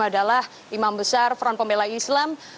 adalah imam besar front pembela islam